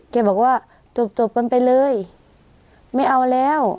แกบอกว่าจบจบกันไปเลยไม่เอาแล้ว